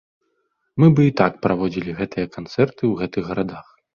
Мы бы і так праводзілі гэтыя канцэрты ў гэтых гарадах!